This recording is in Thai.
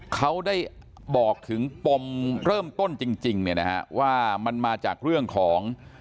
เขาได้บอกถึงปมเริ่มต้นจริงเนี่ยนะฮะว่ามันมาจากเรื่องของ